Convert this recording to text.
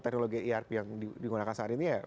teknologi irp yang digunakan saat ini ya